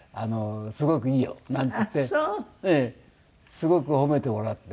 すごく褒めてもらって。